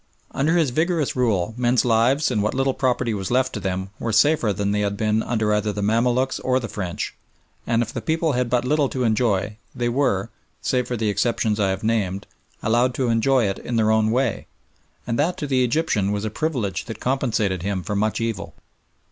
Under his vigorous rule men's lives and what little property was left to them were safer than they had been under either the Mamaluks or the French, and if the people had but little to enjoy they were, save for the exceptions I have named, allowed to enjoy it in their own way, and that to the Egyptian was a privilege that compensated him for much evil.